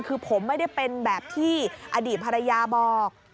คือผมไม่ได้เป็นแบบที่อดีตภรรยาบอก